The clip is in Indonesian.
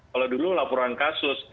kalau dulu laporan kasus